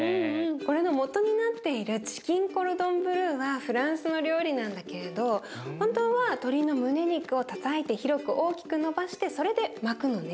これのもとになっているチキン・コルドン・ブルーはフランスの料理なんだけれど本当は鶏の胸肉をたたいて広く大きくのばしてそれで巻くのね。